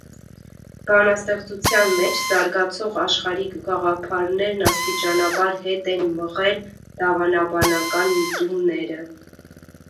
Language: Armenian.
Բանաստեղծության մեջ զարգացող աշխարհիկ գաղափարներն աստիճանաբար հետ են մղել դավանաբանական միտումները։